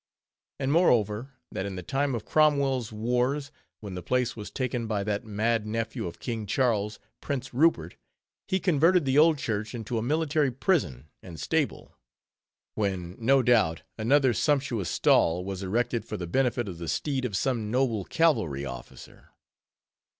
And moreover, that in the time of Cromwell's wars, when the place was taken by that mad nephew of King Charles, Prince Rupert, he converted the old church into a military prison and stable; when, no doubt, another "sumptuous stall" was erected for the benefit of the steed of some noble cavalry officer.